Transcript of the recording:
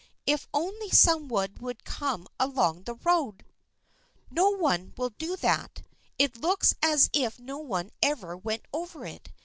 If only some one would come along this road !"" No one will do that. It looks as if no one ever went over it.